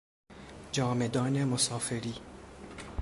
جامه دان مسافری